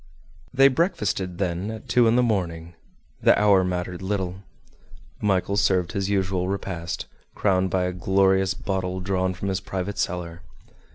They breakfasted then at two in the morning; the hour mattered little. Michel served his usual repast, crowned by a glorious bottle drawn from his private cellar.